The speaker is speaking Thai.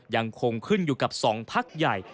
ยังคงขึ้นอยู่กับสองภักดิ์ใหญ่